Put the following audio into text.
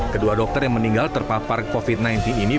kedua dokter yang meninggal terpapar covid sembilan belas ini